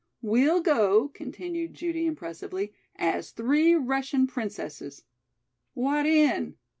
"We'll go," continued Judy impressively, "as three Russian princesses." "What in?"